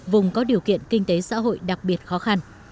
vùng có điều kiện kinh tế xã hội đặc biệt khó khăn